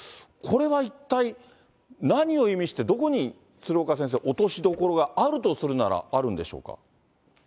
これは一体何を意味して、どこに鶴岡先生、落としどころがあるとするなら、あるんでしょうか。